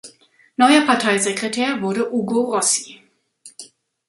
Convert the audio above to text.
Neuer Parteisekretär wurde Ugo Rossi.